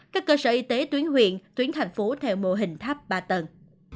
các cơ sở y tế tuyến huyện tuyến thành phố theo mô hình tháp ba tầng